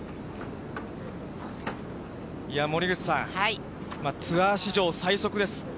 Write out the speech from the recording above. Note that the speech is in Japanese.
いや、森口さん、ツアー史上、最速です。